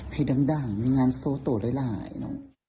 ให้ดังมีงานโสโต์หลาย